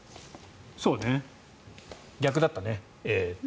そうね、逆だったね。